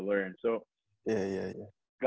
gue cuma pengen belajar